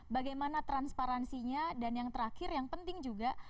bagaimana transparansinya dan yang terakhir yang penting juga